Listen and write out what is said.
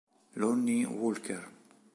Lonnie Walker